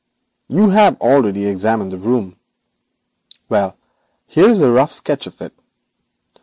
You have already examined the room. Well, here is a rough sketch of it.